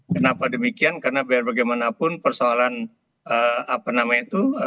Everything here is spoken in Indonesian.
kenapa demikian karena biar bagaimanapun persoalan apa namanya itu